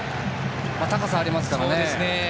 高さがありますからね。